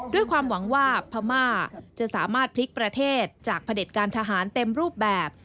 ด้วยความหวังว่าพม่าจะสามารถพลิกประเทศจากผลิตการทหารเต็มรูปแบบ